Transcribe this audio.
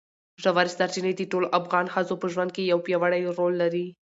ژورې سرچینې د ټولو افغان ښځو په ژوند کې یو پیاوړی رول لري.